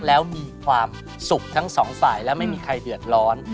แล้วมีความสุขทั้งสองฝ่ายและไม่มีใครเดือดร้อน